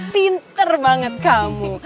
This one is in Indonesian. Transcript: pinter banget kamu